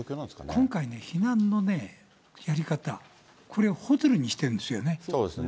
今回ね、避難のやり方、これはホテルにしてるんですよね。